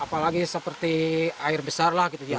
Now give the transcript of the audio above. apalagi seperti air besar lah gitu ya